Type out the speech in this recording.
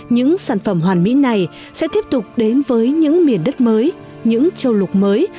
những sản phẩm hoàn mỹ này sẽ tiếp tục đến với những miền đất mới những châu lục mới